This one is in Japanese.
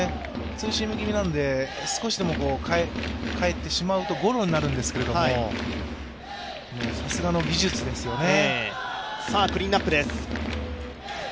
ツーシーム気味なので、少しでも返ってしまうとゴロになるんですけれども、さすがの技術ですよね。